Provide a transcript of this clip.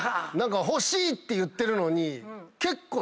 「欲しい！」って言ってるのに結構。